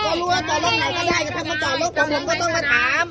ก็รู้ว่าจอดล็อคไหนก็ได้แต่ถ้าเขาจอดล็อคผมก็ต้องไปถาม